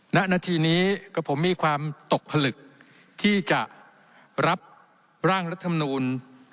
ณนาทีนี้กับผมมีความตกผลึกที่จะรับร่างรัฐมนูล